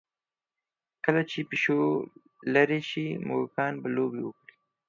کله چې پیشو لرې شي، موږکان به لوبې وکړي.